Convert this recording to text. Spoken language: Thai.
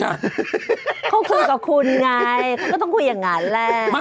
เขาคุยกับคุณไงเขาก็ต้องคุยอย่างนั้นแหละ